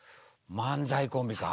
漫才コンビか。